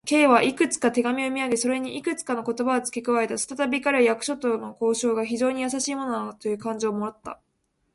Ｋ はクラムの手紙を読みあげ、それにいくつかの言葉をつけ加えた。ふたたび彼は、役所との交渉が非常にやさしいものなのだという感情をもった。